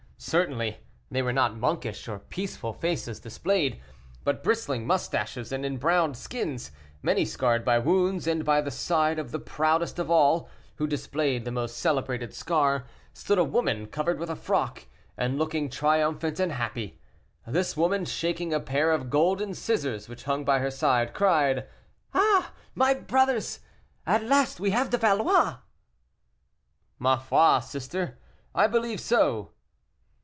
Certainly, they were not monkish or peaceful faces displayed, but bristling mustaches and embrowned skins, many scarred by wounds, and by the side of the proudest of all, who displayed the most celebrated scar, stood a woman covered with a frock, and looking triumphant and happy. This woman, shaking a pair of golden scissors which hung by her side, cried: "Ah! my brothers, at last we have the Valois!" "Ma foi, sister, I believe so."